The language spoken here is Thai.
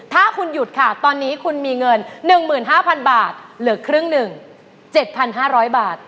ถ้าคุณหยุดค่ะตอนนี้คุณมีเงิน๑๕๐๐๐บาทเหลือครึ่งหนึ่ง๗๕๐๐บาท